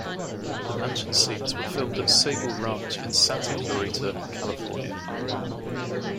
The mansion scenes were filmed at Sable Ranch in Santa Clarita, California.